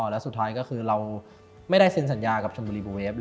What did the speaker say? แล้วสุดท้ายก็คือเราไม่ได้เซ็นสัญญากับชมบุรีบูเวฟเลย